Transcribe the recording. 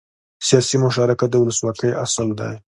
سیاسي مشارکت د ولسواکۍ اصل دی